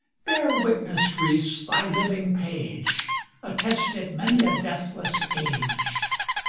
Bear witness, Greece, thy living page, Attest it many a deathless age!